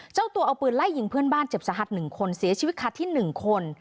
เจ้าตัวเอาปืนไล่ยิงเพื่อนบ้านเจ็บสาหัส๑คนเสียชีวิตคาที่๑คน